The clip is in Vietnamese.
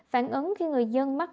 phản ứng khi người dân mắc